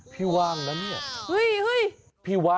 พี่วา่งแล้วนะนี่